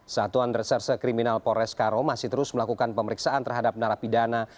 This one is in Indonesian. satuan reserse kriminal polres karo masih terus melakukan pemeriksaan terhadap narapidana